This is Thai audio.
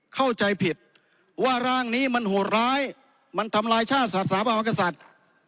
เข้าใจผิดว่าร่างนี้มันโหดร้ายมันทำลายชาติศาสนาพระมหากษัตริย์